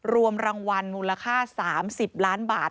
รวมรางวัลมูลค่า๓๐ล้านบาท